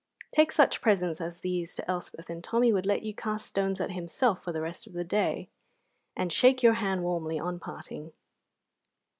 Take such presents as these to Elspeth, and Tommy would let you cast stones at himself for the rest of the day, and shake your hand warmly on parting.